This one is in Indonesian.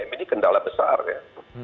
ini kendala besar ya